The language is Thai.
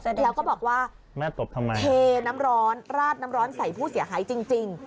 แล้วก็บอกว่าแม่ตบทำไมเทน้ำร้อนราดน้ำร้อนใส่ผู้เสียหายจริง